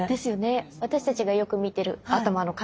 私たちがよく見てる頭の形。